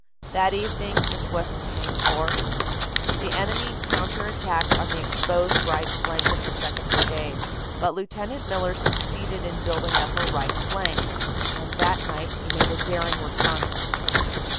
That evening, just west of Haynecourt, the enemy counter attacked on the exposed right flank of the 2nd. Brigade, but Lieut. Miller succeeded in building up a right 270 CANADA S HUNDRED DAYS flank, and that night he made a daring reconnaissance.